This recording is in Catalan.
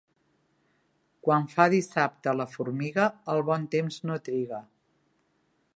Quan fa dissabte la formiga el bon temps no triga.